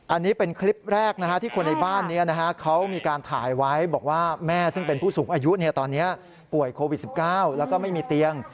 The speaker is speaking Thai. อันนี้เป็นคลิปแรกที่คนในบ้านนี้เขามีการถ่ายไว้บอกว่าแม่ซึ่งเป็นผู้สูงอายุตอนนี้ป่วยโควิด๑๙แล้วก็ไม่มีเตียง